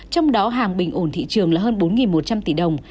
trong đó hàng bình ổn thị trường là hơn bốn một trăm linh tỷ đồng